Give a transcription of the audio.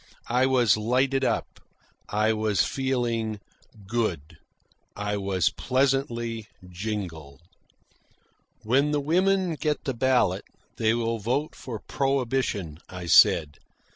I was lighted up, I was feeling "good," I was pleasantly jingled. "When the women get the ballot, they will vote for prohibition," I said.